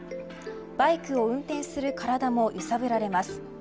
バイクを運転する体も揺さぶられます。